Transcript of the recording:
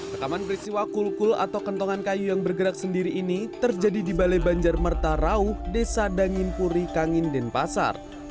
rekaman peristiwa kulkul atau kentongan kayu yang bergerak sendiri ini terjadi di balai banjar merta rauh desa danin puri kangin denpasar